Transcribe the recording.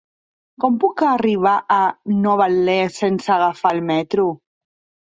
Com puc arribar a Novetlè sense agafar el metro?